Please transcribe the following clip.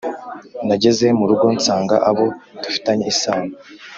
nageze murugo nsanga abo dufitanye isano